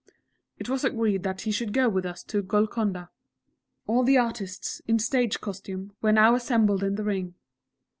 It was agreed that he should go with us to Golconda. All the Artists, in stage costume, were now assembled in the Ring.